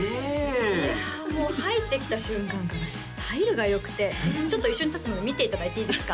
いやもう入ってきた瞬間からスタイルがよくてちょっと一緒に立つので見ていただいていいですか？